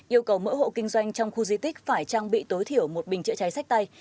yêu cầu mỗi hộ kinh doanh trong khu di tích phải trang bị tối thiểu một bình chữa cháy sách tay